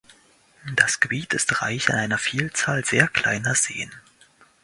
Das Gebiet ist reich an einer Vielzahl sehr kleiner Seen.